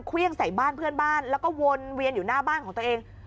เครื่องใส่บ้านเพื่อนบ้านแล้วก็วนเวียนอยู่หน้าบ้านของตัวเอง